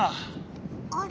あれ？